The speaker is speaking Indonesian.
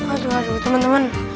aduh aduh teman teman